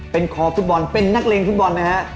เป็นคอฟุตบอลเป็นนักเลงฟุตบอลนะฮะ